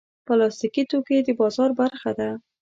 پلاستيکي توکي د بازار برخه ده.